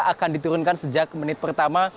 akan diturunkan sejak menit pertama